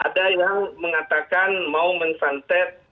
ada yang mengatakan mau menfantet